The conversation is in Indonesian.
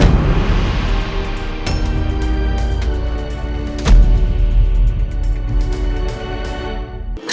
tidak tidak bisa